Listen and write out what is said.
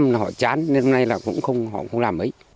sáu trăm linh là họ chán nên hôm nay là họ cũng không làm mấy